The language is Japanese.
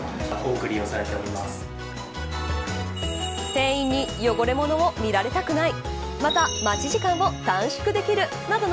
店員に汚れ物を見られたくない。